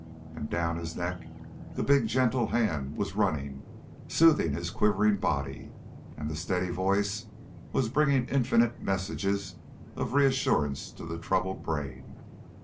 And down his neck the big, gentle hand was running, soothing his quivering body, and the steady voice was bringing infinite messages of reassurance to the troubled brain.